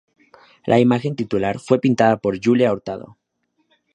La imagen titular fue pintada por Julia Hurtado.